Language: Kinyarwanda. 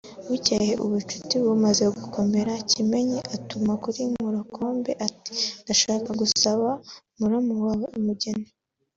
Bukeye ubucuti bumaze gukomera Kimenyi atuma kuri Nkorokombe ati``Ndashaka gusaba muramu wawe umugeni